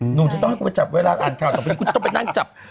หนุ่มจะต้องให้กูจับเวลาอ่านข่าวต่อไป